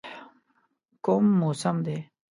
کوم موسم دی؟